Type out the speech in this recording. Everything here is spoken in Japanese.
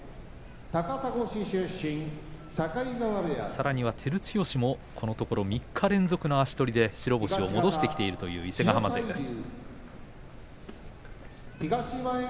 さらには照強も、このところ３日連続の足取りで白星を戻している伊勢ヶ濱勢です。